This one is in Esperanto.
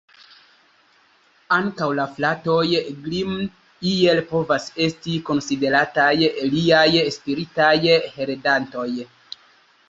Ankaŭ la Fratoj Grimm iel povas esti konsiderataj liaj spiritaj heredantoj.